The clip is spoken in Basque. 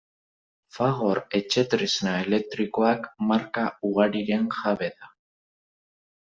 Fagor Etxetresna Elektrikoak marka ugariren jabe da.